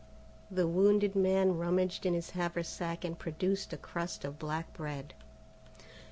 The wounded man rummaged in his haversack and produced a crust of black bread.